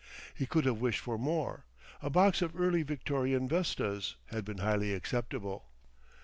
He could have wished for more; a box of early Victorian vestas had been highly acceptable.